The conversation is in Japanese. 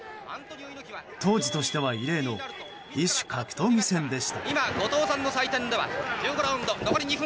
当時としては異例の異種格闘技戦でした。